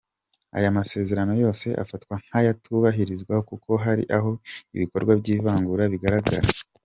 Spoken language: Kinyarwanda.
Aya masezerano yose afatwa nk’ayatubahirizwa kuko hari aho ibikorwa by’ivangura bikigaragara.